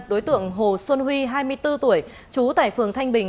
đối tượng hồ xuân huy hai mươi bốn tuổi trú tại phường thanh bình